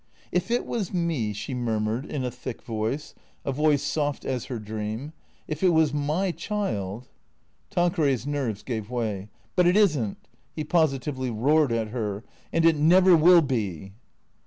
" If it was me/' she murmured in a thick voice, a voice soft as her dream, " if it was my child " Tanqueray's nerves gave way. " But it is n't." He positively roared at her. " And it never will be."